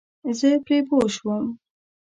زه پرې پوه شوم.